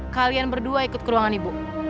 kalian berdua ikut ke ruangan ibu